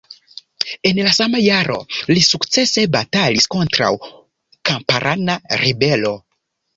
En la sama jaro li sukcese batalis kontraŭ kamparana ribelo.